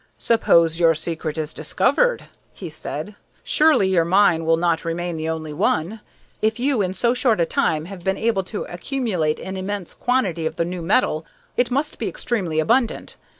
"Suppose your secret is discovered," he said. "Surely your mine will not remain the only one. If you, in so short a time, have been able to accumulate an immense quantity of the new metal, it must be extremely abundant.